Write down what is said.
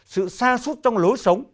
sự xa xúc trong lối sống